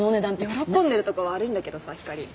喜んでるとこ悪いんだけどさひかり。